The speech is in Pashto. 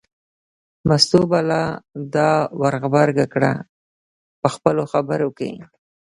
مستو به لا دا ور غبرګه کړه په خپلو خبرو کې.